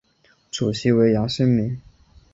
主席为杨新民。